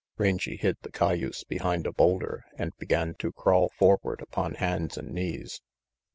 Rangy hid the cayuse behind a boulder and began to crawl forward upon hands and knees.